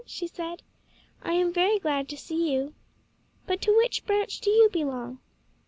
she said; "I am very glad to see you. But to which branch do you belong?"